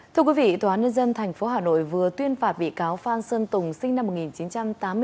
thưa quý vị tòa án nhân dân tp hà nội vừa tuyên phạt bị cáo phan sơn tùng sinh năm một nghìn chín trăm tám mươi bốn